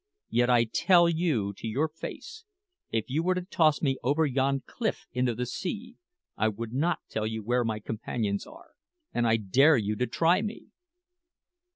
Yet I tell you to your face, if you were to toss me over yonder cliff into the sea, I would not tell you where my companions are; and I dare you to try me!"